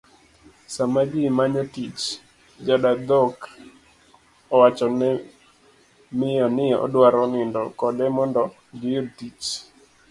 Sama ji manyo tich, jadadhok owachone miyo ni odwaro nindo kode mondo giyud tich